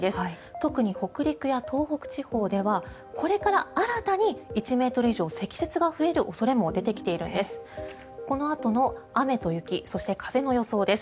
特に北陸や東北地方ではこれから新たに１ｍ以上積雪が増える恐れも出てきているんです。